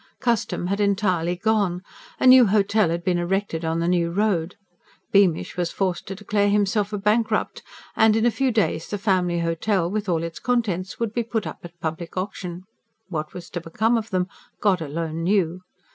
Custom had entirely gone: a new hotel had been erected on the new road; Beamish was forced to declare himself a bankrupt; and in a few days the Family Hotel, with all its contents, would be put up at public auction. What was to become of them, God alone knew.